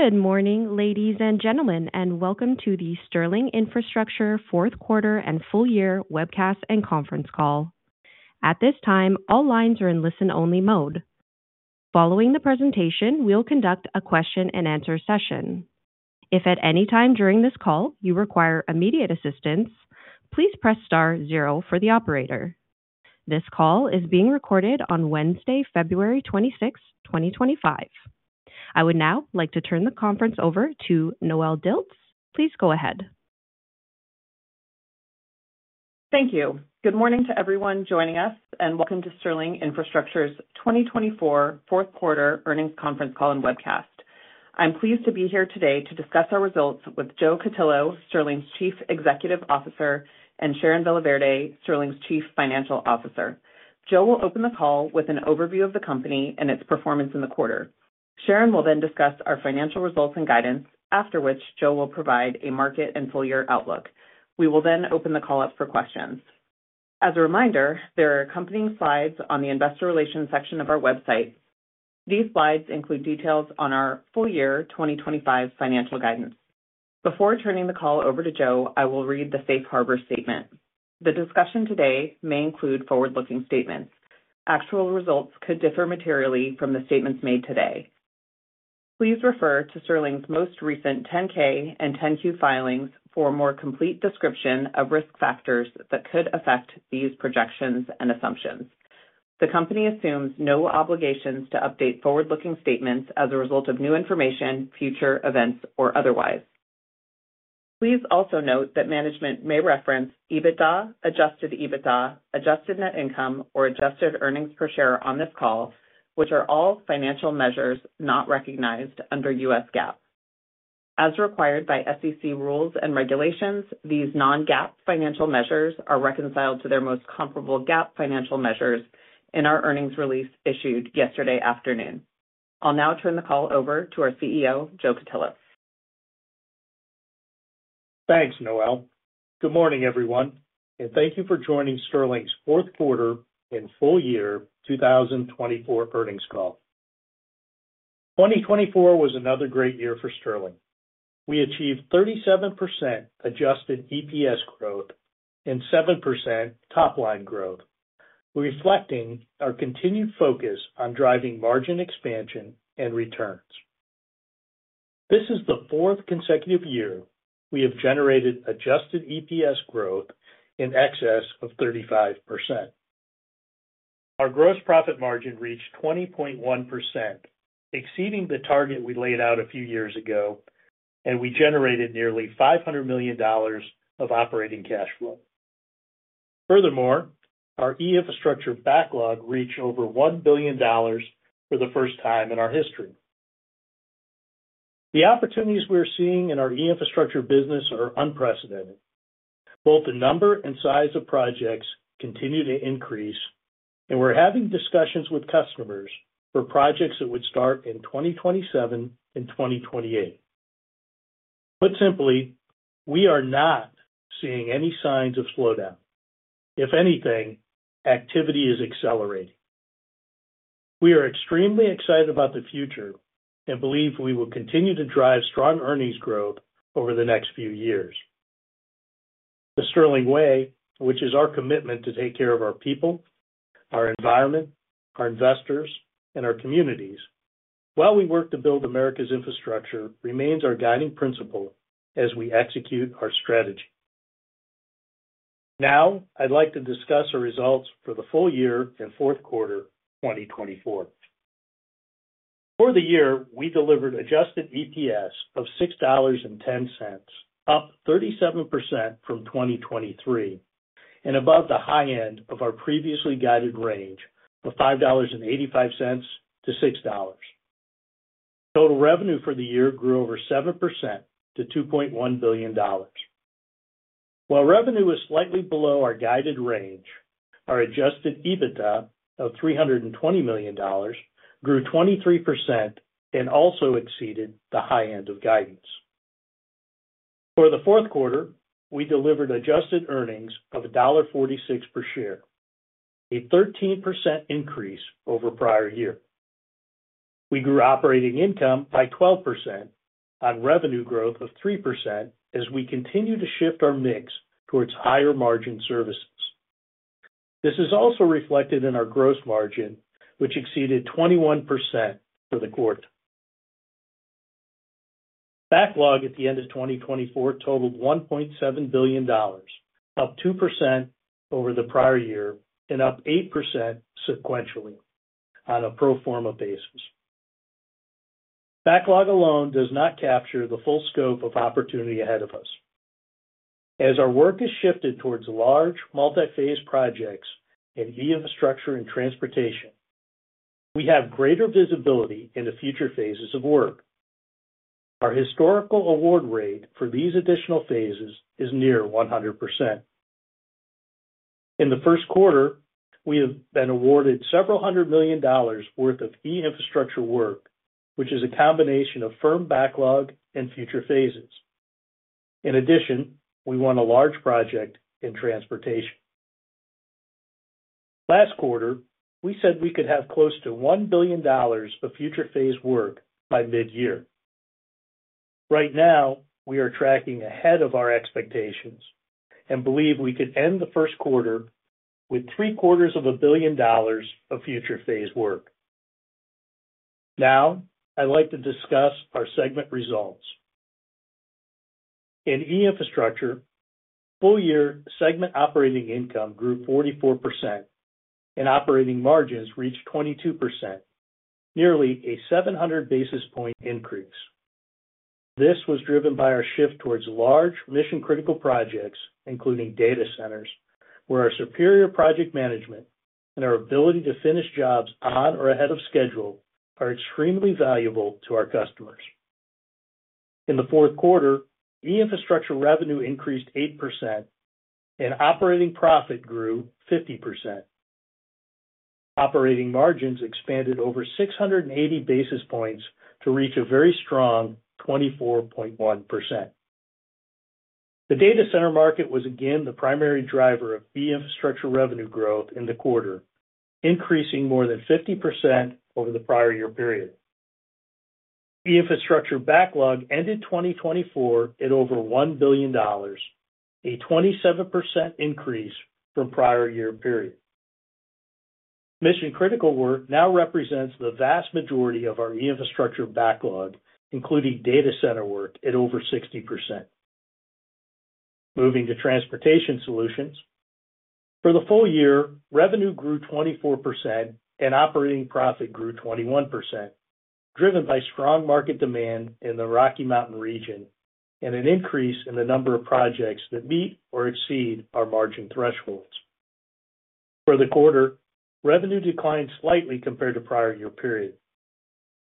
Good morning, ladies and gentlemen, and welcome to the Sterling Infrastructure Q4 and Full Year Webcast and Conference Call. At this time, all lines are in listen-only mode. Following the presentation, we'll conduct a question-and-answer session. If at any time during this call you require immediate assistance, please press star zero for the operator. This call is being recorded on Wednesday, 26 February 2025. I would now like to turn the conference over to Noelle Dilts. Please go ahead. Thank you. Good morning to everyone joining us, and welcome to Sterling Infrastructure's 2024 Q4 Earnings Conference Call and Webcast. I'm pleased to be here today to discuss our results with Joe Cutillo, Sterling's Chief Executive Officer, and Sharon Villaverde, Sterling's Chief Financial Officer. Joe will open the call with an overview of the company and its performance in the quarter. Sharon will then discuss our financial results and guidance, after which Joe will provide a market and full year outlook. We will then open the call up for questions. As a reminder, there are accompanying slides on the investor relations section of our website. These slides include details on our full year 2025 financial guidance. Before turning the call over to Joe, I will read the safe harbor statement. The discussion today may include forward-looking statements. Actual results could differ materially from the statements made today. Please refer to Sterling's most recent 10-K and 10-Q filings for a more complete description of risk factors that could affect these projections and assumptions. The company assumes no obligations to update forward-looking statements as a result of new information, future events, or otherwise. Please also note that management may reference EBITDA, adjusted EBITDA, adjusted net income, or adjusted earnings per share on this call, which are all financial measures not recognized under U.S. GAAP. As required by SEC rules and regulations, these non-GAAP financial measures are reconciled to their most comparable GAAP financial measures in our earnings release issued yesterday afternoon. I'll now turn the call over to our CEO, Joe Cutillo. Thanks, Noelle. Good morning, everyone, and thank you for joining Sterling's Q4 and Full Year 2024 Earnings Call. 2024 was another great year for Sterling. We achieved 37% adjusted EPS growth and 7% top-line growth, reflecting our continued focus on driving margin expansion and returns. This is the fourth consecutive year we have generated adjusted EPS growth in excess of 35%. Our gross profit margin reached 20.1%, exceeding the target we laid out a few years ago, and we generated nearly $500 million of operating cash flow. Furthermore, our E-Infrastructure backlog reached over $1 billion for the first time in our history. The opportunities we're seeing in our E-Infrastructure business are unprecedented. Both the number and size of projects continue to increase, and we're having discussions with customers for projects that would start in 2027 and 2028. Put simply, we are not seeing any signs of slowdown. If anything, activity is accelerating. We are extremely excited about the future and believe we will continue to drive strong earnings growth over the next few years. The Sterling Way, which is our commitment to take care of our people, our environment, our investors, and our communities, while we work to build America's infrastructure, remains our guiding principle as we execute our strategy. Now, I'd like to discuss our results for the full year and Q4 2024. For the year, we delivered adjusted EPS of $6.10, up 37% from 2023, and above the high end of our previously guided range of $5.85 to 6. Total revenue for the year grew over 7% to $2.1 billion. While revenue was slightly below our guided range, our adjusted EBITDA of $320 million grew 23% and also exceeded the high end of guidance. For the fourth quarter, we delivered adjusted earnings of $1.46 per share, a 13% increase over prior year. We grew operating income by 12% on revenue growth of 3% as we continue to shift our mix towards higher margin services. This is also reflected in our gross margin, which exceeded 21% for the quarter. Backlog at the end of 2024 totaled $1.7 billion, up 2% over the prior year and up 8% sequentially on a pro forma basis. Backlog alone does not capture the full scope of opportunity ahead of us. As our work has shifted towards large, multi-phase projects in E-Infrastructure and transportation, we have greater visibility into future phases of work. Our historical award rate for these additional phases is near 100%. In the first quarter, we have been awarded several hundred million dollars' worth of E-Infrastructure work, which is a combination of firm backlog and future phases. In addition, we won a large project in transportation. Last quarter, we said we could have close to $1 billion of future phase work by mid-year. Right now, we are tracking ahead of our expectations and believe we could end the first quarter with $750 million of future phase work. Now, I'd like to discuss our segment results. In E-Infrastructure, full year segment operating income grew 44%, and operating margins reached 22%, nearly a 700 basis points increase. This was driven by our shift towards large, mission-critical projects, including data centers, where our superior project management and our ability to finish jobs on or ahead of schedule are extremely valuable to our customers. In the Q4, E-Infrastructure revenue increased 8%, and operating profit grew 50%. Operating margins expanded over 680 basis points to reach a very strong 24.1%. The data center market was again the primary driver of E-Infrastructure revenue growth in the quarter, increasing more than 50% over the prior year period. E-Infrastructure backlog ended 2024 at over $1 billion, a 27% increase from prior year period. Mission-Critical work now represents the vast majority of our E-Infrastructure backlog, including data center work, at over 60%. Moving to Transportation Solutions, for the full year, revenue grew 24% and operating profit grew 21%, driven by strong market demand in the Rocky Mountain region and an increase in the number of projects that meet or exceed our margin thresholds. For the quarter, revenue declined slightly compared to prior year period.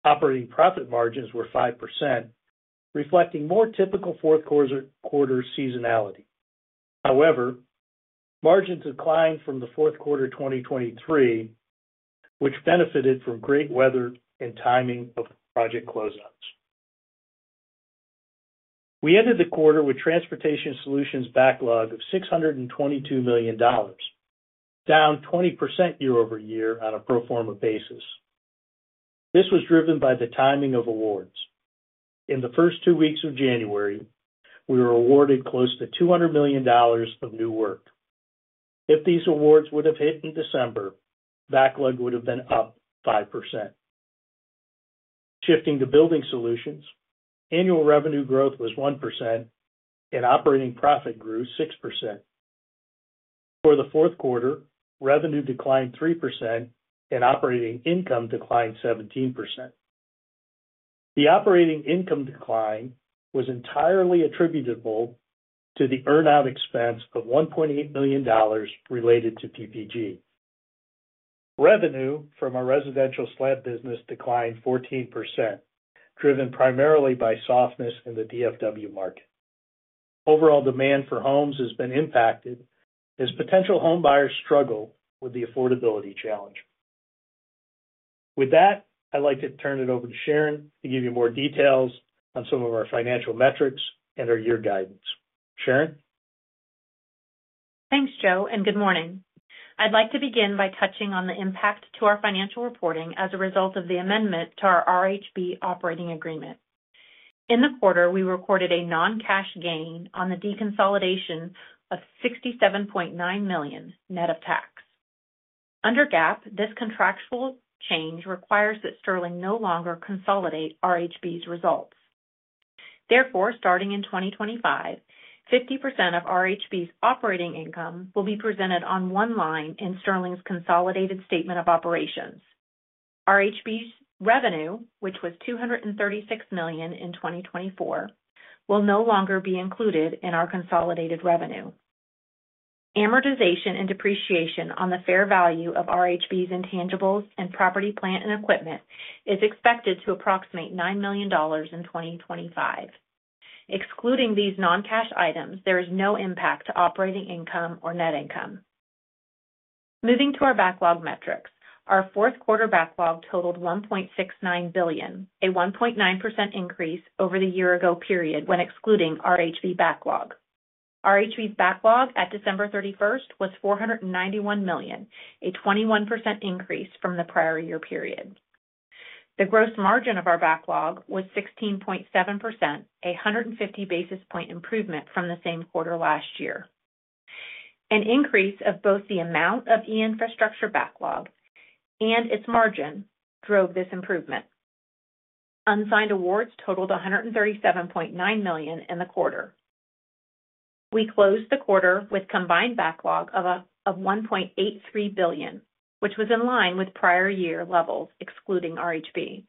Operating profit margins were 5%, reflecting more typical Q4 seasonality. However, margins declined from the Q4 2023, which benefited from great weather and timing of project close-outs. We ended the quarter with Transportation Solutions backlog of $622 million, down 20% year over year on a pro forma basis. This was driven by the timing of awards. In the first two weeks of January, we were awarded close to $200 million of new work. If these awards would have hit in December, backlog would have been up 5%. Shifting to Building Solutions, annual revenue growth was 1%, and operating profit grew 6%. For the Q4, revenue declined 3%, and operating income declined 17%. The operating income decline was entirely attributable to the earn-out expense of $1.8 million related to PPG. Revenue from our residential slab business declined 14%, driven primarily by softness in the DFW market. Overall demand for homes has been impacted as potential home buyers struggle with the affordability challenge. With that, I'd like to turn it over to Sharon to give you more details on some of our financial metrics and our year guidance. Sharon? Thanks, Joe, and good morning. I'd like to begin by touching on the impact to our financial reporting as a result of the amendment to our RHB operating agreement. In the quarter, we recorded a non-cash gain on the deconsolidation of $67.9 million net of tax. Under GAAP, this contractual change requires that Sterling no longer consolidate RHB's results. Therefore, starting in 2025, 50% of RHB's operating income will be presented on one line in Sterling's consolidated statement of operations. RHB's revenue, which was $236 million in 2024, will no longer be included in our consolidated revenue. Amortization and depreciation on the fair value of RHB's intangibles and property, plant, and equipment is expected to approximate $9 million in 2025. Excluding these non-cash items, there is no impact to operating income or net income. Moving to our backlog metrics, our Q4 backlog totaled $1.69 billion, a 1.9% increase over the year-ago period when excluding RHB backlog. RHB's backlog at 31 December was $491 million, a 21% increase from the prior year period. The gross margin of our backlog was 16.7%, a 150 basis point improvement from the same quarter last year. An increase of both the amount of E-Infrastructure backlog and its margin drove this improvement. Unsigned awards totaled $137.9 million in the quarter. We closed the quarter with combined backlog of $1.83 billion, which was in line with prior year levels excluding RHB.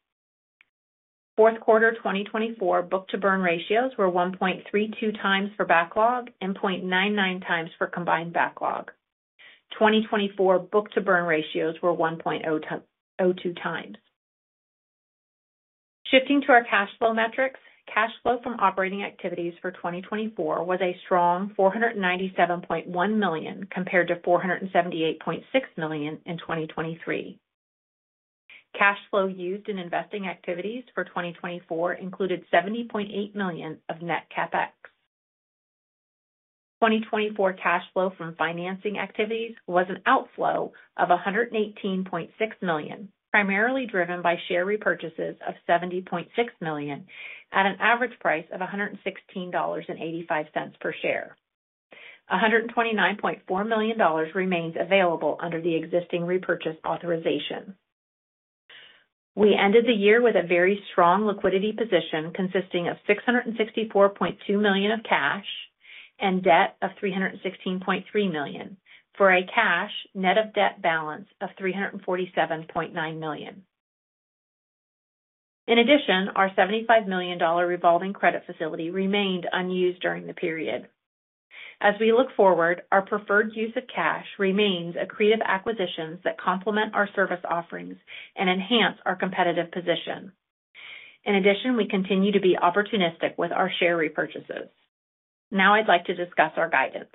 Q4 2024 book-to-burn ratios were 1.32 times for backlog and 0.99 times for combined backlog. 2024 book-to-burn ratios were 1.02 times. Shifting to our cash flow metrics, cash flow from operating activities for 2024 was a strong $497.1 million compared to $478.6 million in 2023. Cash flow used in investing activities for 2024 included $70.8 million of net CapEx. 2024 cash flow from financing activities was an outflow of $118.6 million, primarily driven by share repurchases of $70.6 million at an average price of $116.85 per share. $129.4 million remains available under the existing repurchase authorization. We ended the year with a very strong liquidity position consisting of $664.2 million of cash and debt of $316.3 million, for a cash net of debt balance of $347.9 million. In addition, our $75 million revolving credit facility remained unused during the period. As we look forward, our preferred use of cash remains accretive acquisitions that complement our service offerings and enhance our competitive position. In addition, we continue to be opportunistic with our share repurchases. Now, I'd like to discuss our guidance.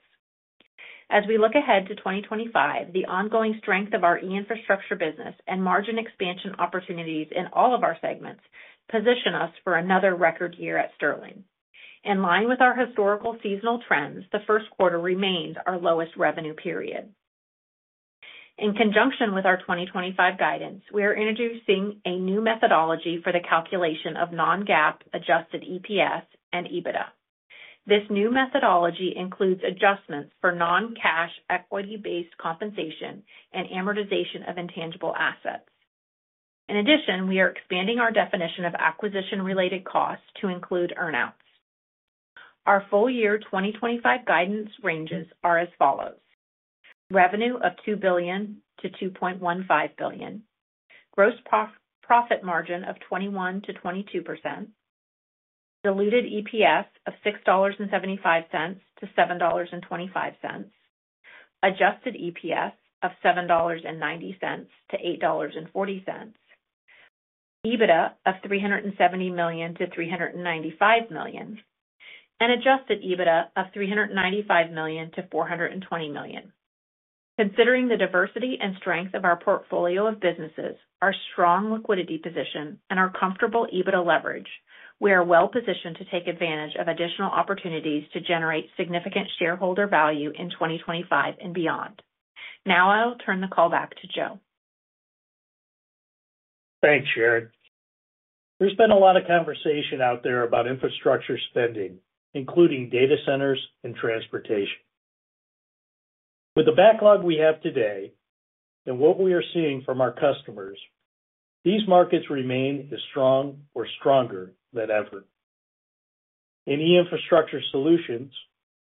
As we look ahead to 2025, the ongoing strength of our E-Infrastructure business and margin expansion opportunities in all of our segments position us for another record year at Sterling. In line with our historical seasonal trends, the first quarter remains our lowest revenue period. In conjunction with our 2025 guidance, we are introducing a new methodology for the calculation of non-GAAP adjusted EPS and EBITDA. This new methodology includes adjustments for non-cash equity-based compensation and amortization of intangible assets. In addition, we are expanding our definition of acquisition-related costs to include earn-outs. Our full year 2025 guidance ranges are as follows: revenue of $2 to 2.15 billion, gross profit margin of 21% to 22%, diluted EPS of $6.75 to 7.25, adjusted EPS of $7.90 to 8.40, EBITDA of $370 to 395 million, and adjusted EBITDA of $395 to 420 million. Considering the diversity and strength of our portfolio of businesses, our strong liquidity position, and our comfortable EBITDA leverage, we are well positioned to take advantage of additional opportunities to generate significant shareholder value in 2025 and beyond. Now, I'll turn the call back to Joe. Thanks, Sharon. There's been a lot of conversation out there about infrastructure spending, including data centers and transportation. With the backlog we have today and what we are seeing from our customers, these markets remain as strong or stronger than ever. In E-Infrastructure Solutions,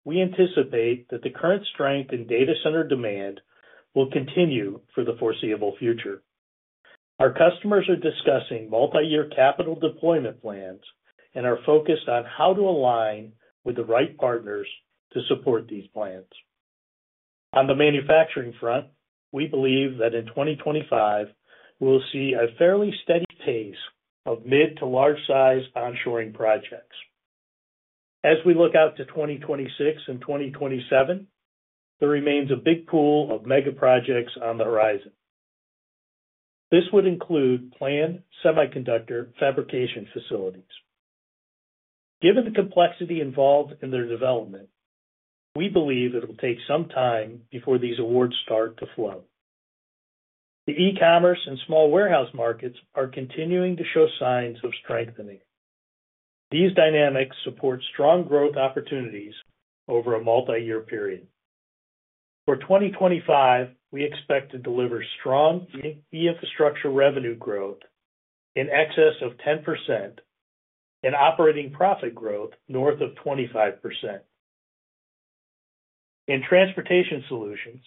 we anticipate that the current strength in data center demand will continue for the foreseeable future. Our customers are discussing multi-year capital deployment plans and are focused on how to align with the right partners to support these plans. On the manufacturing front, we believe that in 2025, we'll see a fairly steady pace of mid to large-size onshoring projects. As we look out to 2026 and 2027, there remains a big pool of mega projects on the horizon. This would include planned semiconductor fabrication facilities. Given the complexity involved in their development, we believe it'll take some time before these awards start to flow. The e-commerce and small warehouse markets are continuing to show signs of strengthening. These dynamics support strong growth opportunities over a multi-year period. For 2025, we expect to deliver strong E-Infrastructure revenue growth in excess of 10% and operating profit growth north of 25%. In Transportation Solutions,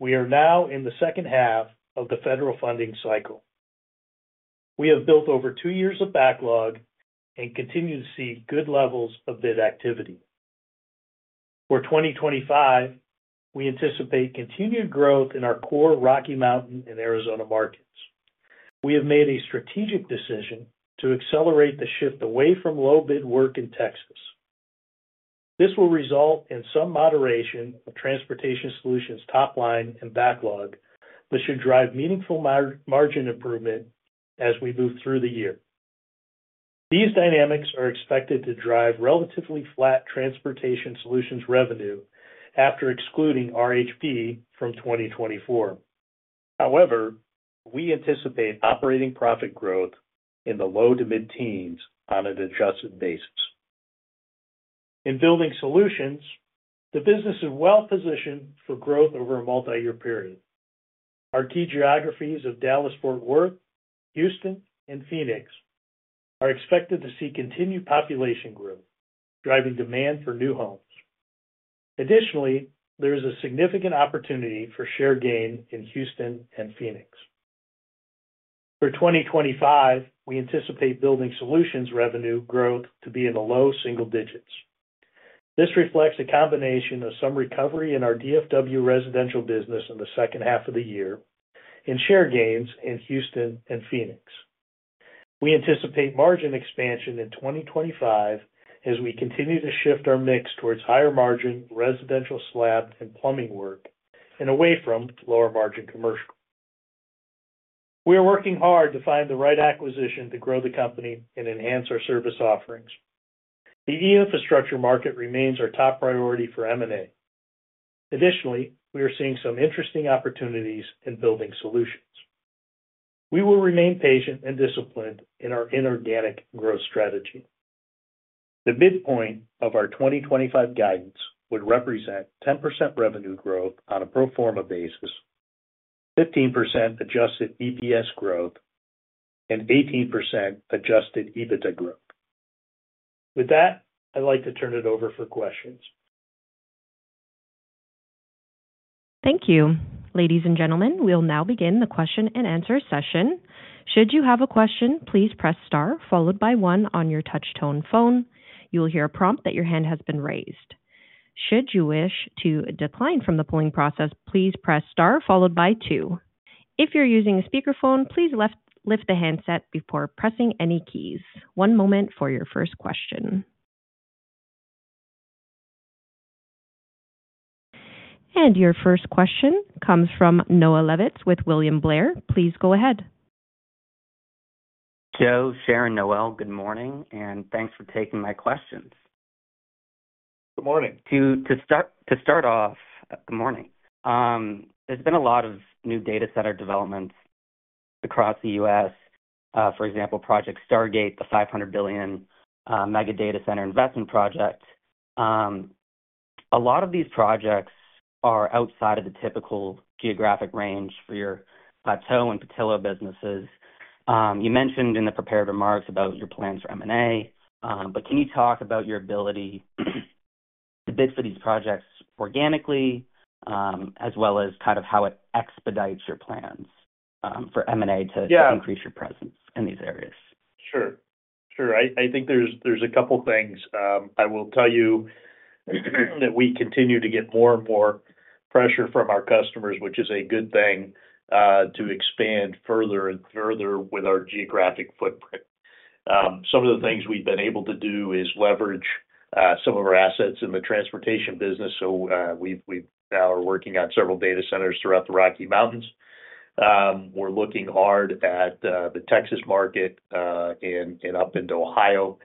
we are now in the second half of the federal funding cycle. We have built over two years of backlog and continue to see good levels of bid activity. For 2025, we anticipate continued growth in our core Rocky Mountain and Arizona markets. We have made a strategic decision to accelerate the shift away from low-bid work in Texas. This will result in some moderation of Transportation Solutions top line and backlog, but should drive meaningful margin improvement as we move through the year. These dynamics are expected to drive relatively flat Transportation Solutions revenue after excluding RHB from 2024. However, we anticipate operating profit growth in the low to mid-teens on an adjusted basis. In Building Solutions, the business is well positioned for growth over a multi-year period. Our key geographies of Dallas-Fort Worth, Houston, and Phoenix are expected to see continued population growth, driving demand for new homes. Additionally, there is a significant opportunity for share gain in Houston and Phoenix. For 2025, we anticipate Building Solutions revenue growth to be in the low single digits. This reflects a combination of some recovery in our DFW residential business in the second half of the year and share gains in Houston and Phoenix. We anticipate margin expansion in 2025 as we continue to shift our mix towards higher margin residential slab and plumbing work and away from lower margin commercial. We are working hard to find the right acquisition to grow the company and enhance our service offerings. The E-Infrastructure market remains our top priority for M&A. Additionally, we are seeing some interesting opportunities in Building Solutions. We will remain patient and disciplined in our inorganic growth strategy. The midpoint of our 2025 guidance would represent 10% revenue growth on a pro forma basis, 15% adjusted EPS growth, and 18% adjusted EBITDA growth. With that, I'd like to turn it over for questions. Thank you. Ladies and gentlemen, we'll now begin the question and answer session. Should you have a question, please press star followed by one on your touch-tone phone. You'll hear a prompt that your hand has been raised. Should you wish to decline from the polling process, please press star followed by two. If you're using a speakerphone, please lift the handset before pressing any keys. One moment for your first question. And your first question comes from [Unknown Speaker] with William Blair. Please go ahead. Thank you, Joe, Sharon, Noelle. Good morning, and thanks for taking my questions. Good morning. To start off, good morning. There's been a lot of new data center developments across the U.S For example, Project Stargate, the $500 billion mega data center investment project. A lot of these projects are outside of the typical geographic range for your Plateau and Petillo businesses. You mentioned in the prepared remarks about your plans for M&A, but can you talk about your ability to bid for these projects organically, as well as kind of how it expedites your plans for M&A to increase your presence in these areas? Sure. Sure. I think there's a couple of things. I will tell you that we continue to get more and more pressure from our customers, which is a good thing to expand further and further with our geographic footprint. Some of the things we've been able to do is leverage some of our assets in the transportation business. So we now are working on several data centers throughout the Rocky Mountains. We're looking hard at the Texas market and up into Ohio.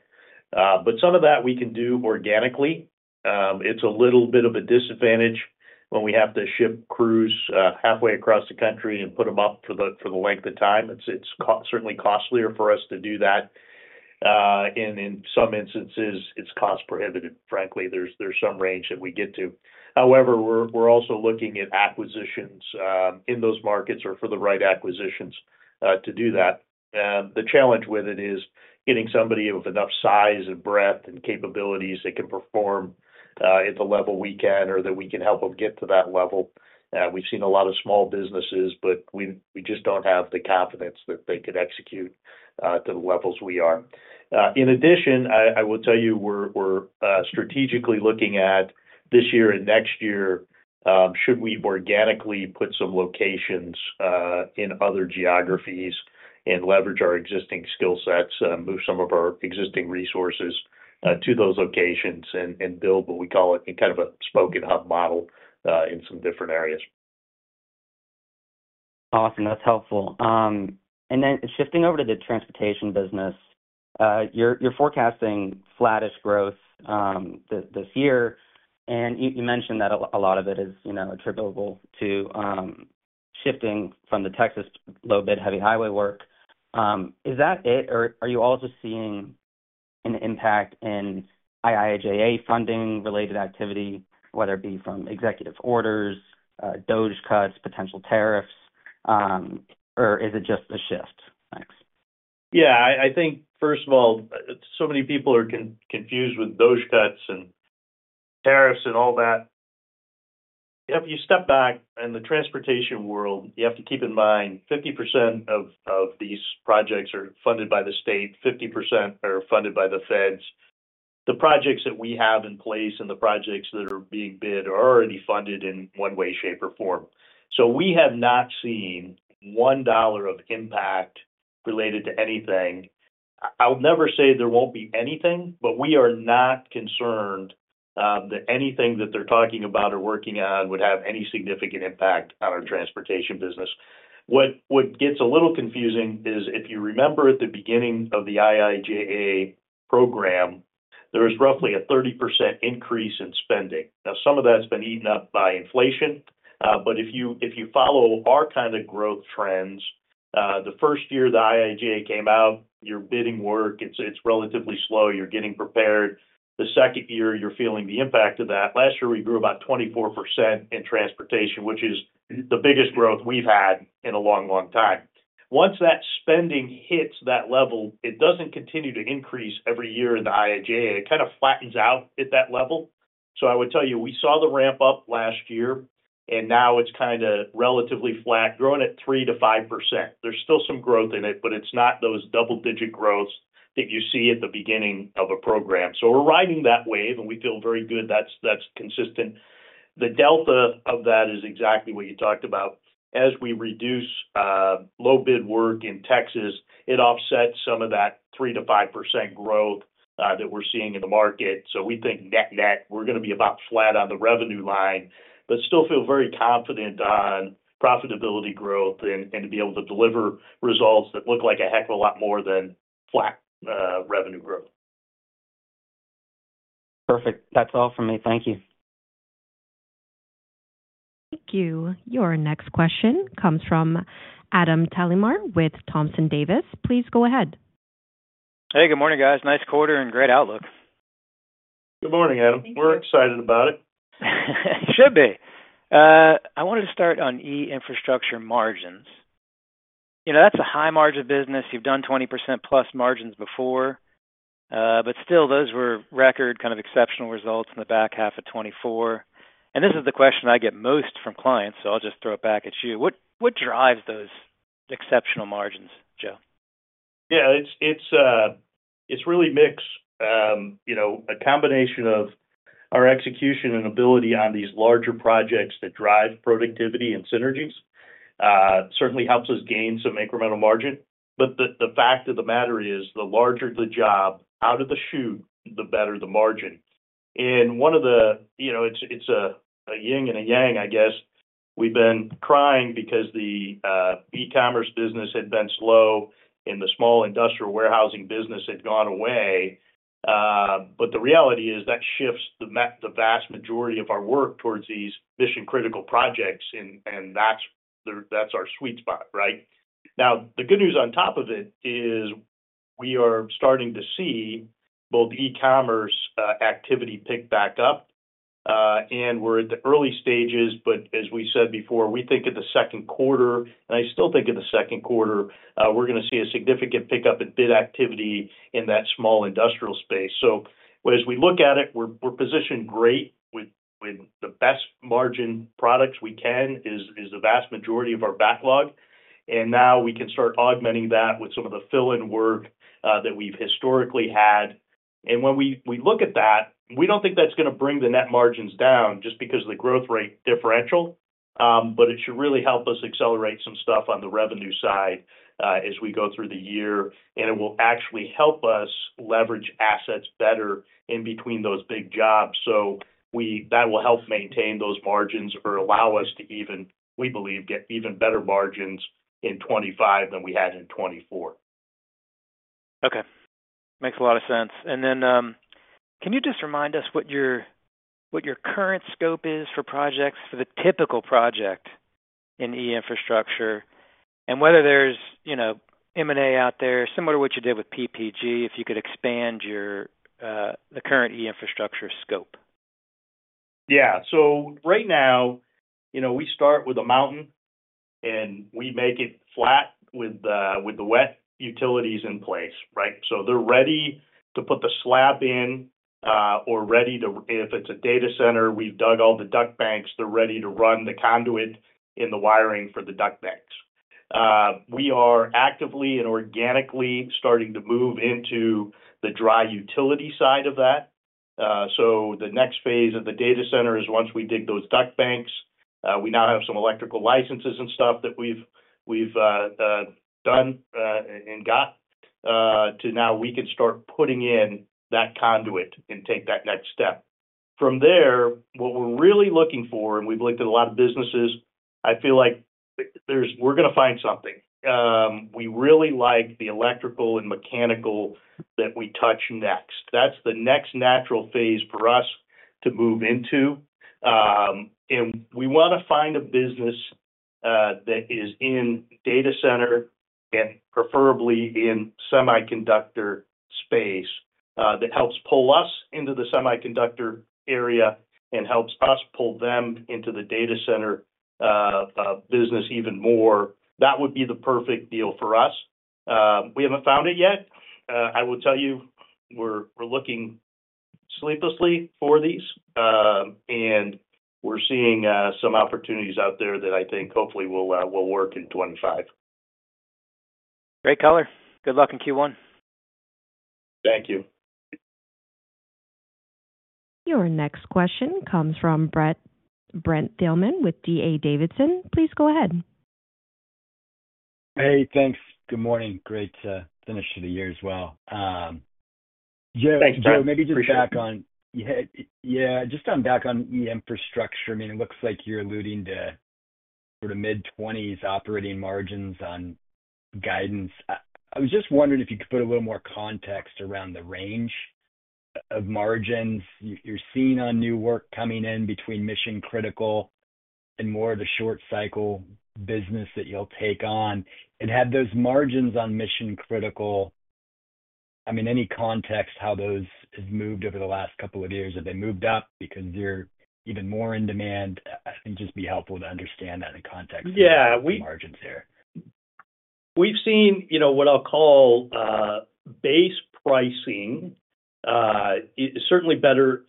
But some of that we can do organically. It's a little bit of a disadvantage when we have to ship crews halfway across the country and put them up for the length of time. It's certainly costlier for us to do that. And in some instances, it's cost-prohibitive, frankly. There's some range that we get to. However, we're also looking at acquisitions in those markets or for the right acquisitions to do that. The challenge with it is getting somebody of enough size and breadth and capabilities that can perform at the level we can or that we can help them get to that level. We've seen a lot of small businesses, but we just don't have the confidence that they could execute to the levels we are. In addition, I will tell you we're strategically looking at this year and next year, should we organically put some locations in other geographies and leverage our existing skill sets, move some of our existing resources to those locations, and build what we call kind of a hub-and-spoke model in some different areas. Awesome. That's helpful. And then shifting over to the transportation business, you're forecasting flattish growth this year. And you mentioned that a lot of it is attributable to shifting from the Texas low-bid heavy highway work. Is that it, or are you also seeing an impact in IIJA funding-related activity, whether it be from executive orders, DOGE cuts, potential tariffs, or is it just a shift? Thanks. Yeah. I think, first of all, so many people are confused with DOGE cuts and tariffs and all that. If you step back in the transportation world, you have to keep in mind 50% of these projects are funded by the state, 50% are funded by the feds. The projects that we have in place and the projects that are being bid are already funded in one way, shape, or form. So we have not seen one dollar of impact related to anything. I'll never say there won't be anything, but we are not concerned that anything that they're talking about or working on would have any significant impact on our transportation business. What gets a little confusing is if you remember at the beginning of the IIJA program, there was roughly a 30% increase in spending. Now, some of that's been eaten up by inflation, but if you follow our kind of growth trends, the first year the IIJA came out, your bidding work, it's relatively slow. You're getting prepared. The second year, you're feeling the impact of that. Last year, we grew about 24% in transportation, which is the biggest growth we've had in a long, long time. Once that spending hits that level, it doesn't continue to increase every year in the IIJA. It kind of flattens out at that level, so I would tell you we saw the ramp up last year, and now it's kind of relatively flat, growing at 3% to 5%. There's still some growth in it, but it's not those double-digit growths that you see at the beginning of a program, so we're riding that wave, and we feel very good. That's consistent. The delta of that is exactly what you talked about. As we reduce low-bid work in Texas, it offsets some of that 3%-5% growth that we're seeing in the market. So we think net net, we're going to be about flat on the revenue line, but still feel very confident on profitability growth and to be able to deliver results that look like a heck of a lot more than flat revenue growth. Perfect. That's all for me. Thank you. Thank you. Your next question comes from Adam Thalhimer with Thompson Davis. Please go ahead. Hey, good morning, guys. Nice quarter and great outlook. Good morning, Adam. We're excited about it. Should be. I wanted to start on E-Infrastructure margins. That's a high margin business. You've done 20% plus margins before, but still, those were record kind of exceptional results in the back half of 2024 and this is the question I get most from clients, so I'll just throw it back at you. What drives those exceptional margins, Joe? Yeah. It's really mixed. A combination of our execution and ability on these larger projects that drive productivity and synergies certainly helps us gain some incremental margin. But the fact of the matter is the larger the job, out of the chute, the better the margin. And it's a yin and yang, I guess. We've been crying because the e-commerce business had been slow and the small industrial warehousing business had gone away. But the reality is that shifts the vast majority of our work towards these mission-critical projects, and that's our sweet spot, right? Now, the good news on top of it is we are starting to see both e-commerce activity pick back up, and we're at the early stages. But as we said before, we think of the Q2, and I still think of the Q2. We're going to see a significant pickup in bid activity in that small industrial space. So as we look at it, we're positioned great with the best margin products we can is the vast majority of our backlog. And now we can start augmenting that with some of the fill-in work that we've historically had. And when we look at that, we don't think that's going to bring the net margins down just because of the growth rate differential, but it should really help us accelerate some stuff on the revenue side as we go through the year. And it will actually help us leverage assets better in between those big jobs. So that will help maintain those margins or allow us to even, we believe, get even better margins in 2025 than we had in 2024. Okay. Makes a lot of sense. And then can you just remind us what your current scope is for projects, for the typical project in E-Infrastructure, and whether there's M&A out there, similar to what you did with PPG, if you could expand the current E-Infrastructure scope? Yeah. So right now, we start with a mountain, and we make it flat with the wet utilities in place, right? So they're ready to put the slab in or ready to, if it's a data center, we've dug all the duct banks. They're ready to run the conduit and the wiring for the duct banks. We are actively and organically starting to move into the dry utility side of that. So the next phase of the data center is once we dig those duct banks. We now have some electrical licenses and stuff that we've done and got to now we can start putting in that conduit and take that next step. From there, what we're really looking for, and we've looked at a lot of businesses, I feel like we're going to find something. We really like the electrical and mechanical that we touch next. That's the next natural phase for us to move into. And we want to find a business that is in data center and preferably in semiconductor space that helps pull us into the semiconductor area and helps us pull them into the data center business even more. That would be the perfect deal for us. We haven't found it yet. I will tell you we're looking sleeplessly for these, and we're seeing some opportunities out there that I think hopefully will work in 2025. Great color. Good luck in Q1. Thank you. Your next question comes from Brent Thielman with D.A. Davidson. Please go ahead. Hey, thanks. Good morning. Great to finish the year as well, yeah. Just back on E-Infrastructure, I mean, it looks like you're alluding to sort of mid-20s operating margins on guidance. I was just wondering if you could put a little more context around the range of margins you're seeing on new work coming in between mission-critical and more of the short-cycle business that you'll take on. And have those margins on mission-critical, I mean, any context how those have moved over the last couple of years? Have they moved up because they're even more in demand? I think it'd just be helpful to understand that in context of the margins there. Yeah. We've seen what I'll call base pricing. It's certainly better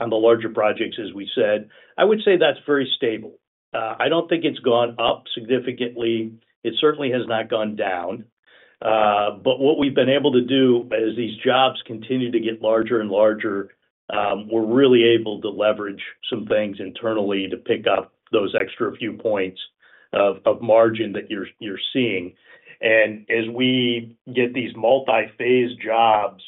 on the larger projects, as we said. I would say that's very stable. I don't think it's gone up significantly. It certainly has not gone down. But what we've been able to do as these jobs continue to get larger and larger, we're really able to leverage some things internally to pick up those extra few points of margin that you're seeing. And as we get these multi-phase jobs,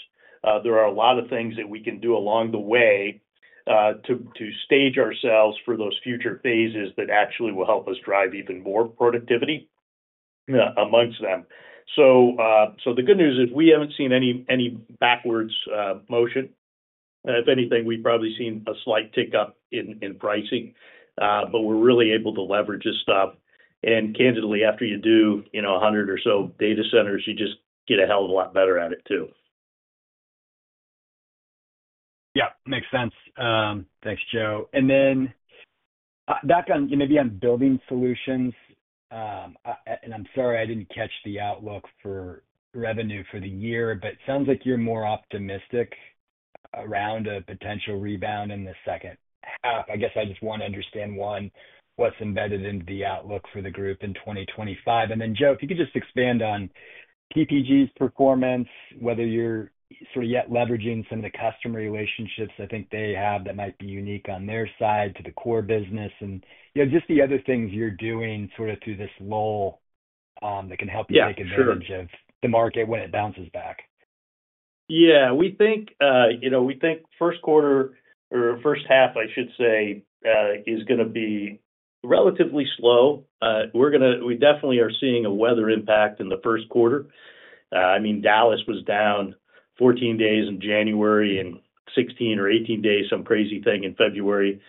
there are a lot of things that we can do along the way to stage ourselves for those future phases that actually will help us drive even more productivity amongst them. So the good news is we haven't seen any backwards motion. If anything, we've probably seen a slight tick up in pricing, but we're really able to leverage this stuff. Candidly, after you do 100 or so data centers, you just get a hell of a lot better at it too. Yeah. Makes sense. Thanks, Joe. And then back on maybe on Building Solutions, and I'm sorry I didn't catch the outlook for revenue for the year, but it sounds like you're more optimistic around a potential rebound in the second half. I guess I just want to understand, one, what's embedded into the outlook for the group in 2025. And then, Joe, if you could just expand on PPG's performance, whether you're sort of yet leveraging some of the customer relationships I think they have that might be unique on their side to the core business, and just the other things you're doing sort of through this lull that can help you take advantage of the market when it bounces back. Yeah. We think Q1 or first half, I should say, is going to be relatively slow. We definitely are seeing a weather impact in the first quarter. I mean, Dallas was down 14 days in January and 16 or 18 days, some crazy thing in February.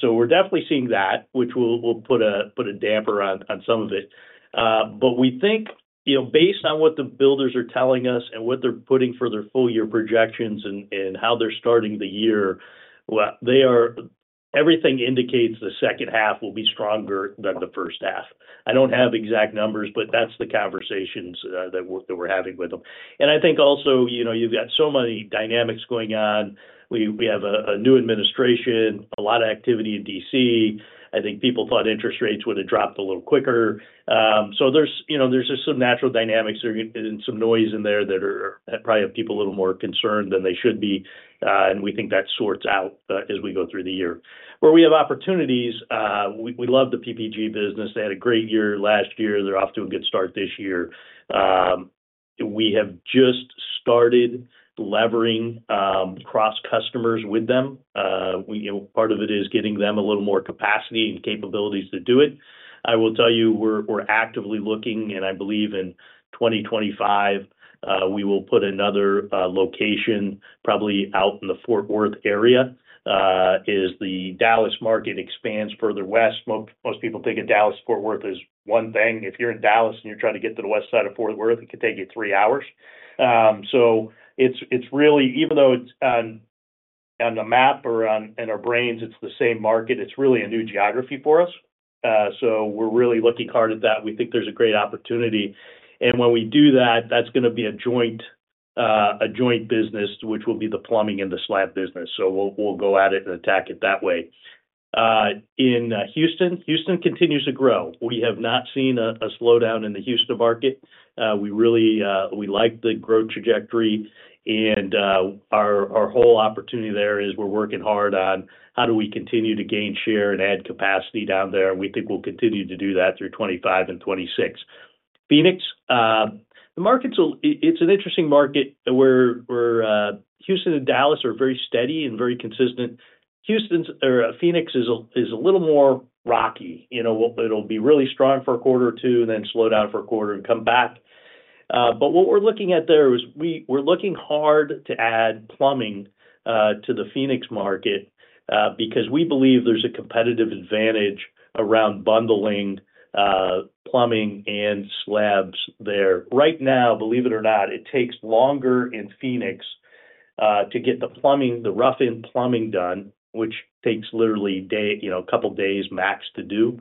So we're definitely seeing that, which will put a damper on some of it. But we think based on what the builders are telling us and what they're putting for their full-year projections and how they're starting the year, everything indicates the second half will be stronger than the first half. I don't have exact numbers, but that's the conversations that we're having with them. And I think also you've got so many dynamics going on. We have a new administration, a lot of activity in DC. I think people thought interest rates would have dropped a little quicker. There's just some natural dynamics and some noise in there that probably have people a little more concerned than they should be. We think that sorts out as we go through the year. Where we have opportunities, we love the PPG business. They had a great year last year. They're off to a good start this year. We have just started leveraging cross-customers with them. Part of it is getting them a little more capacity and capabilities to do it. I will tell you we're actively looking, and I believe in 2025, we will put another location probably out in the Fort Worth area as the Dallas market expands further west. Most people think of Dallas, Fort Worth as one thing. If you're in Dallas and you're trying to get to the west side of Fort Worth, it could take you three hours. So even though it's on the map or in our brains, it's the same market. It's really a new geography for us. So we're really looking hard at that. We think there's a great opportunity. And when we do that, that's going to be a joint business, which will be the plumbing and the slab business. So we'll go at it and attack it that way. In Houston, Houston continues to grow. We have not seen a slowdown in the Houston market. We like the growth trajectory. And our whole opportunity there is we're working hard on how do we continue to gain share and add capacity down there. We think we'll continue to do that through 2025 and 2026. Phoenix, the market's. It's an interesting market where Houston and Dallas are very steady and very consistent. Phoenix is a little more rocky. It'll be really strong for a quarter or two and then slow down for a quarter and come back. But what we're looking at there is we're looking hard to add plumbing to the Phoenix market because we believe there's a competitive advantage around bundling plumbing and slabs there. Right now, believe it or not, it takes longer in Phoenix to get the rough-in plumbing done, which takes literally a couple of days max to do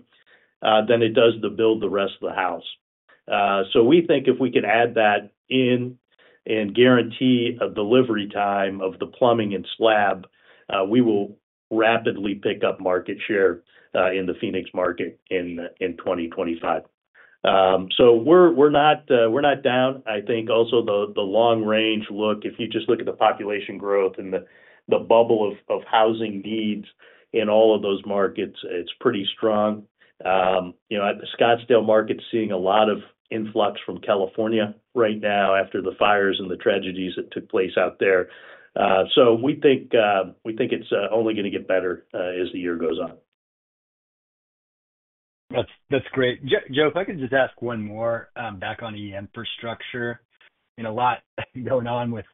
than it does to build the rest of the house. So we think if we can add that in and guarantee a delivery time of the plumbing and slab, we will rapidly pick up market share in the Phoenix market in 2025. So we're not down. I think also the long-range look, if you just look at the population growth and the bubble of housing needs in all of those markets, it's pretty strong. At the Scottsdale market, seeing a lot of influx from California right now after the fires and the tragedies that took place out there, so we think it's only going to get better as the year goes on. That's great. Joe, if I could just ask one more back on E-Infrastructure. A lot going on with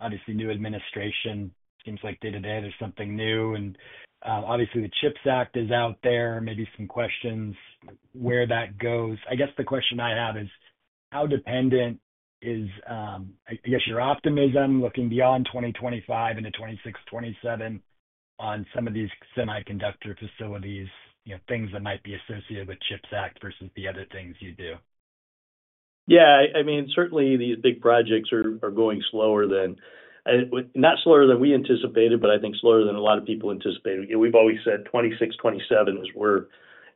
obviously new administration. Seems like day-to-day there's something new. And obviously, the CHIPS Act is out there. Maybe some questions where that goes. I guess the question I have is how dependent is, I guess, your optimism looking beyond 2025 into 2026, 2027 on some of these semiconductor facilities, things that might be associated with CHIPS Act versus the other things you do? Yeah. I mean, certainly these big projects are going slower than not slower than we anticipated, but I think slower than a lot of people anticipated. We've always said 2026, 2027 is where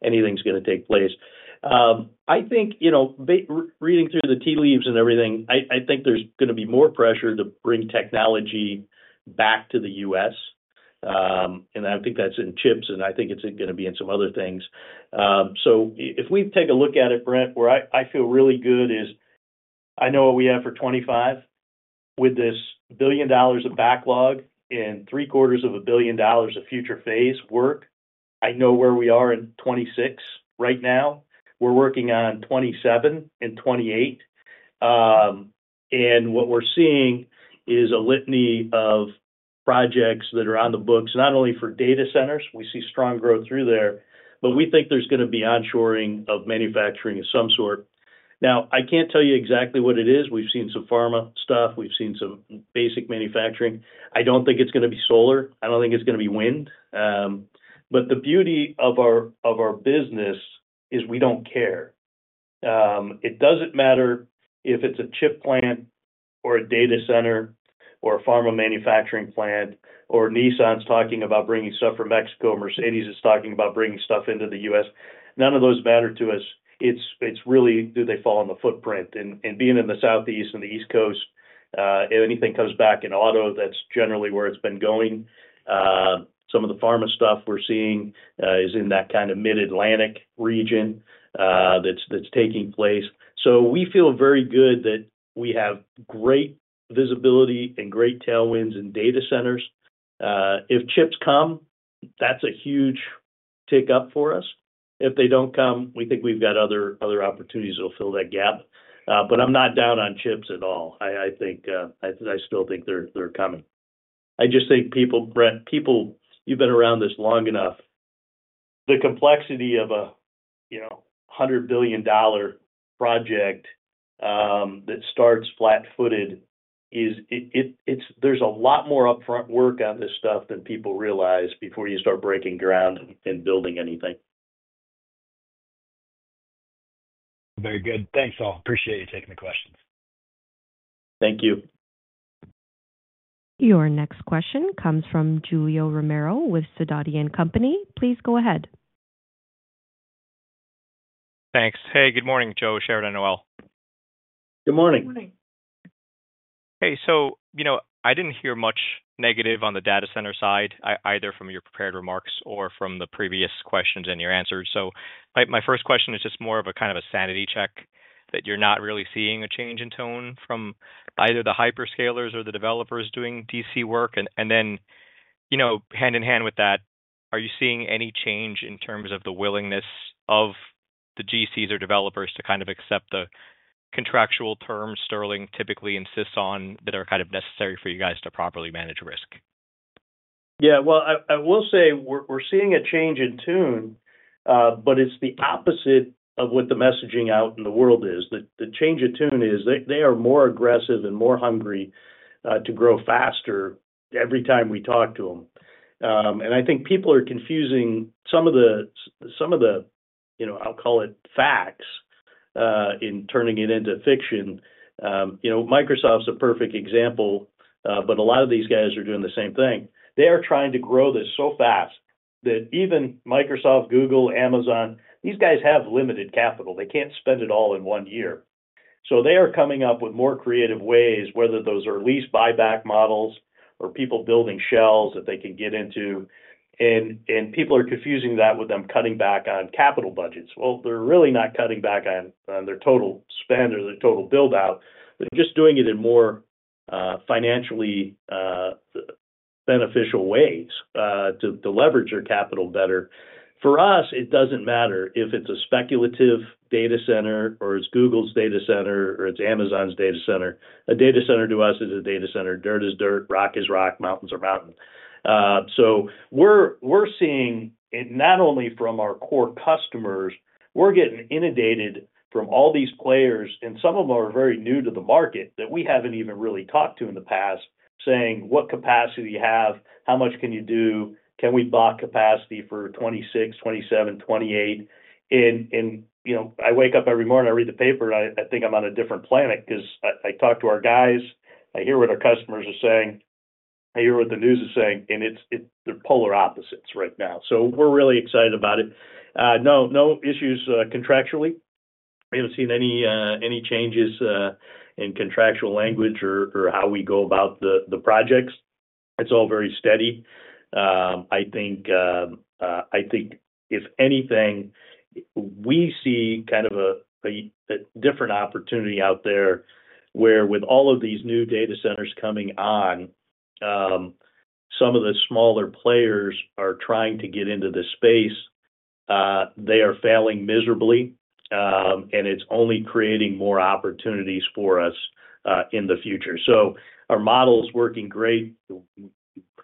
anything's going to take place. I think reading through the tea leaves and everything, I think there's going to be more pressure to bring technology back to the U.S And I think that's in chips, and I think it's going to be in some other things. So if we take a look at it, Brent, where I feel really good is I know what we have for 2025. With this $1 billion of backlog and $750 million of future phase work, I know where we are in 2026 right now. We're working on 2027 and 2028. And what we're seeing is a litany of projects that are on the books, not only for data centers. We see strong growth through there, but we think there's going to be onshoring of manufacturing of some sort. Now, I can't tell you exactly what it is. We've seen some pharma stuff. We've seen some basic manufacturing. I don't think it's going to be solar. I don't think it's going to be wind. But the beauty of our business is we don't care. It doesn't matter if it's a chip plant or a data center or a pharma manufacturing plant or Nissan's talking about bringing stuff from Mexico or Mercedes is talking about bringing stuff into the U.S None of those matter to us. It's really, do they fall on the footprint? Being in the Southeast and the East Coast, if anything comes back in auto, that's generally where it's been going. Some of the pharma stuff we're seeing is in that kind of Mid-Atlantic region that's taking place. We feel very good that we have great visibility and great tailwinds in data centers. If chips come, that's a huge tick up for us. If they don't come, we think we've got other opportunities that will fill that gap. I'm not down on chips at all. I still think they're coming. I just think people, Brent, people, you've been around this long enough. The complexity of a $100 billion project that starts flat-footed is there's a lot more upfront work on this stuff than people realize before you start breaking ground and building anything. Very good. Thanks, all. Appreciate you taking the questions. Thank you. Your next question comes from Julio Romero with Sidoti & Company. Please go ahead. Thanks. Hey, good morning, Joe, Sharon, Noelle. Good morning. Hey, so I didn't hear much negative on the data center side, either from your prepared remarks or from the previous questions and your answers. So my first question is just more of a kind of a sanity check that you're not really seeing a change in tone from either the hyperscalers or the developers doing DC work. And then hand in hand with that, are you seeing any change in terms of the willingness of the GCs or developers to kind of accept the contractual terms Sterling typically insists on that are kind of necessary for you guys to properly manage risk? Yeah. Well, I will say we're seeing a change in tune, but it's the opposite of what the messaging out in the world is. The change of tune is they are more aggressive and more hungry to grow faster every time we talk to them. And I think people are confusing some of the, I'll call it facts, in turning it into fiction. Microsoft's a perfect example, but a lot of these guys are doing the same thing. They are trying to grow this so fast that even Microsoft, Google, Amazon, these guys have limited capital. They can't spend it all in one year. So they are coming up with more creative ways, whether those are lease buyback models or people building shells that they can get into. And people are confusing that with them cutting back on capital budgets. They're really not cutting back on their total spend or their total build-out. They're just doing it in more financially beneficial ways to leverage their capital better. For us, it doesn't matter if it's a speculative data center or it's Google's data center or it's Amazon's data center. A data center to us is a data center. Dirt is dirt. Rock is rock. Mountains are mountains. So we're seeing it not only from our core customers. We're getting inundated from all these players, and some of them are very new to the market that we haven't even really talked to in the past, saying, "What capacity do you have? How much can you do? Can we buy capacity for 2026, 2027, 2028?" And I wake up every morning, I read the paper, and I think I'm on a different planet because I talk to our guys. I hear what our customers are saying. I hear what the news is saying, and they're polar opposites right now, so we're really excited about it. No issues contractually. We haven't seen any changes in contractual language or how we go about the projects. It's all very steady. I think if anything, we see kind of a different opportunity out there where with all of these new data centers coming on, some of the smaller players are trying to get into the space. They are failing miserably, and it's only creating more opportunities for us in the future, so our model's working great.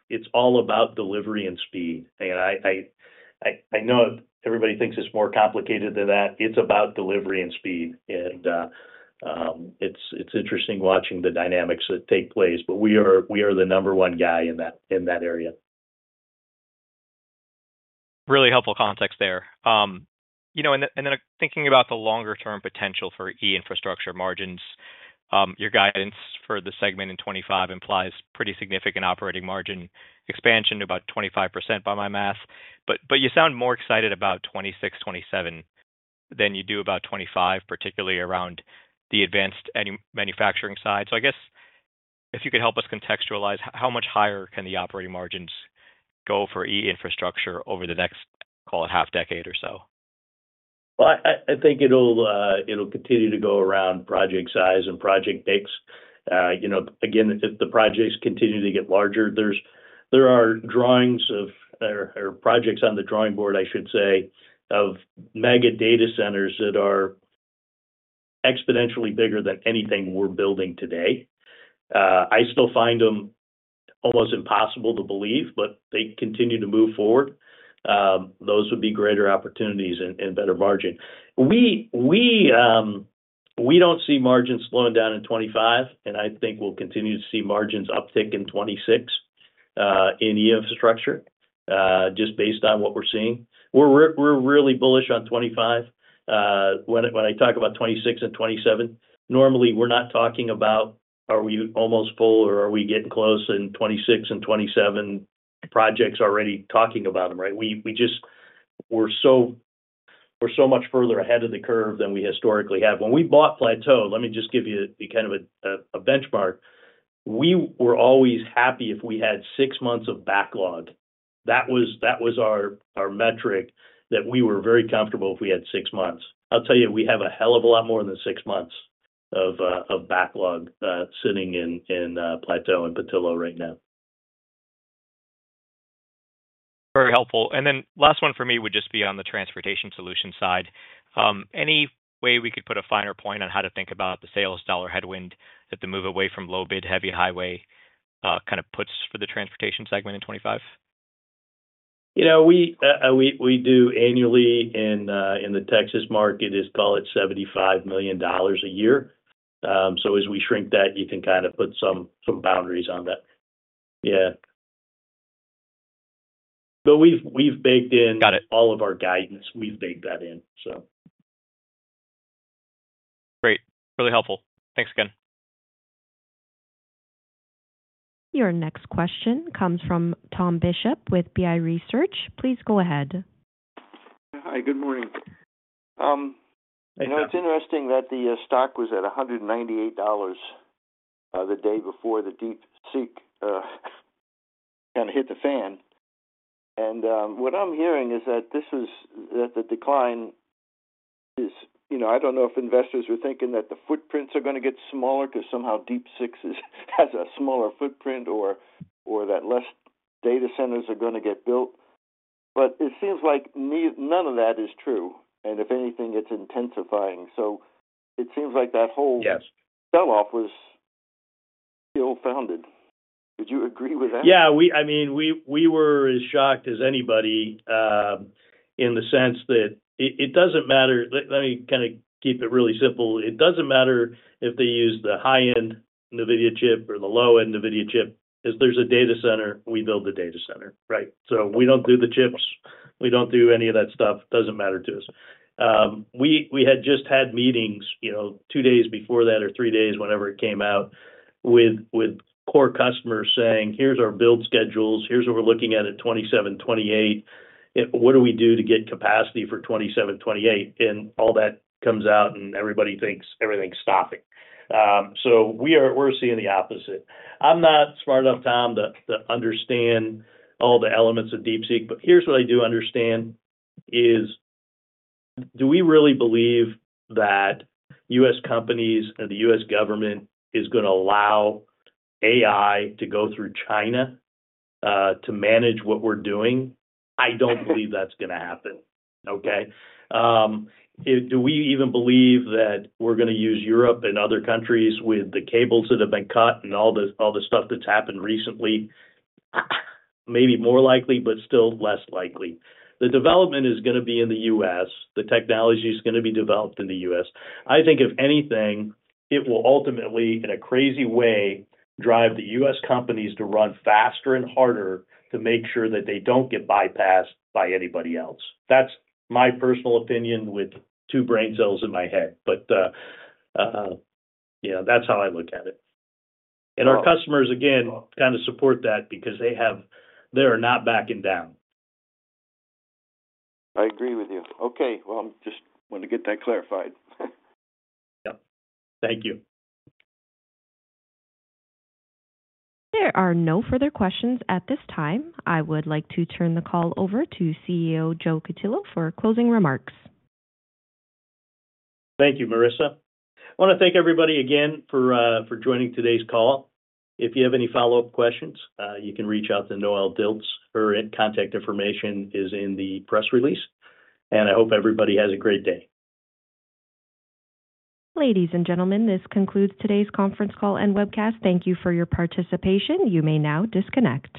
It's all about delivery and speed, and I know everybody thinks it's more complicated than that. It's about delivery and speed, and it's interesting watching the dynamics that take place, but we are the number one guy in that area. Really helpful context there. And then thinking about the longer-term potential for E-Infrastructure margins, your guidance for the segment in 2025 implies pretty significant operating margin expansion, about 25% by my math. But you sound more excited about 2026, 2027 than you do about 2025, particularly around the advanced manufacturing side. So I guess if you could help us contextualize, how much higher can the operating margins go for E-Infrastructure over the next, call it, half-decade or so? I think it'll continue to go around project size and project mix. Again, if the projects continue to get larger, there are drawings of or projects on the drawing board, I should say, of mega data centers that are exponentially bigger than anything we're building today. I still find them almost impossible to believe, but they continue to move forward. Those would be greater opportunities and better margin. We don't see margins slowing down in 2025, and I think we'll continue to see margins uptick in 2026 in E-Infrastructure just based on what we're seeing. We're really bullish on 2025. When I talk about 2026 and 2027, normally we're not talking about, are we almost full or are we getting close in 2026 and 2027 projects already talking about them, right? We're so much further ahead of the curve than we historically have. When we bought Plateau, let me just give you kind of a benchmark. We were always happy if we had six months of backlog. That was our metric that we were very comfortable if we had six months. I'll tell you, we have a hell of a lot more than six months of backlog sitting in Plateau and Petillo right now. Very helpful. And then the last one for me would just be on the transportation solution side. Any way we could put a finer point on how to think about the sales dollar headwind that the move away from low-bid heavy highway kind of puts for the transportation segment in 2025? We do annually in the Texas market is, call it, $75 million a year. So as we shrink that, you can kind of put some boundaries on that. Yeah. But we've baked in all of our guidance. We've baked that in, so. Great. Really helpful. Thanks again. Your next question comes from Tom Bishop with BI Research. Please go ahead. Hi. Good morning. It's interesting that the stock was at $198 the day before the DeepSeek kind of hit the fan. And what I'm hearing is that the decline is. I don't know if investors are thinking that the footprints are going to get smaller because somehow DeepSeek has a smaller footprint or that less data centers are going to get built. But it seems like none of that is true. And if anything, it's intensifying. So it seems like that whole sell-off was ill-founded. Would you agree with that? Yeah. I mean, we were as shocked as anybody in the sense that it doesn't matter. Let me kind of keep it really simple. It doesn't matter if they use the high-end Nvidia chip or the low-end Nvidia chip. If there's a data center, we build the data center, right? So we don't do the chips. We don't do any of that stuff. It doesn't matter to us. We had just had meetings two days before that or three days, whenever it came out, with core customers saying, "Here's our build schedules. Here's what we're looking at in 2027, 2028. What do we do to get capacity for 2027, 2028?" And all that comes out, and everybody thinks everything's stopping. So we're seeing the opposite. I'm not smart enough, Tom, to understand all the elements of DeepSeek. But here's what I do understand is, do we really believe that U.S companies and the U.S government is going to allow AI to go through China to manage what we're doing? I don't believe that's going to happen, okay? Do we even believe that we're going to use Europe and other countries with the cables that have been cut and all the stuff that's happened recently? Maybe more likely, but still less likely. The development is going to be in the U.S The technology is going to be developed in the U.S I think if anything, it will ultimately, in a crazy way, drive the U.S companies to run faster and harder to make sure that they don't get bypassed by anybody else. That's my personal opinion with two brain cells in my head. But yeah, that's how I look at it. And our customers, again, kind of support that because they are not backing down. I agree with you. Okay. Well, I just want to get that clarified. Yeah. Thank you. There are no further questions at this time. I would like to turn the call over to CEO Joe Cutillo for closing remarks. Thank you, Marissa. I want to thank everybody again for joining today's call. If you have any follow-up questions, you can reach out to Noelle Dilts. Her contact information is in the press release. And I hope everybody has a great day. Ladies and gentlemen, this concludes today's conference call and webcast. Thank you for your participation. You may now disconnect.